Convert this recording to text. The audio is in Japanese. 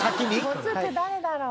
没って誰だろう？